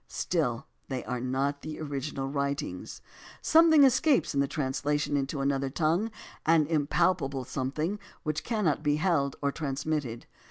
Still, they are not the original writings. Something escapes in the translation into another tongue, an im palpable something which cannot be held or trans mitted.